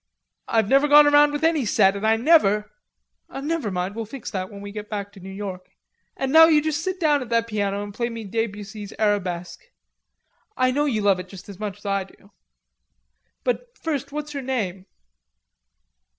"I've never gone round with any set, and I never..." "Never mind, we'll fix that when we all get back to New York. And now you just sit down at that piano and play me Debussy's 'Arabesque.'... I know you love it just as much as I do. But first what's your name?"